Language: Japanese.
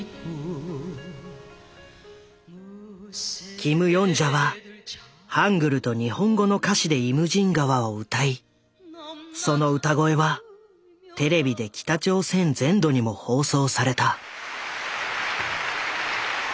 キム・ヨンジャはハングルと日本語の歌詞で「イムジン河」を歌いその歌声はテレビで北朝鮮全土にも放送された。